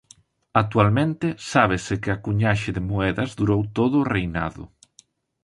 Actualmente sábese que a cuñaxe de moedas durou todo o reinado.